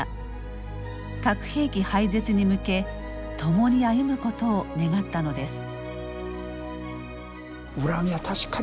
核兵器廃絶に向け共に歩むことを願ったのです。